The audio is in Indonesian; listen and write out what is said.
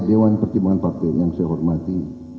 dewan pertimbangan partai yang saya hormati